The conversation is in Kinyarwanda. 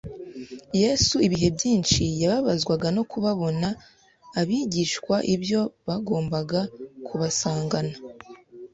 Yesu ibihe byinshi yababazwaga no kutabonana abigishwa ibyo yagombaga kubasangana